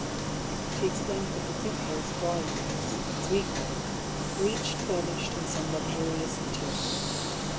She explained that the Duque's drawing rooms, as we call them, were each furnished in some luxurious material.